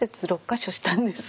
６か所したんです。